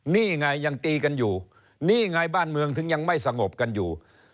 นี่ไงยังตีกันอยู่นี่ไงบ้านเมืองถึงยังไม่สงบกันอยู่